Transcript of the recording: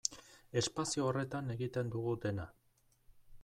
Espazio horretan egiten dugu dena.